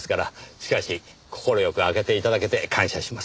しかし快く開けて頂けて感謝します。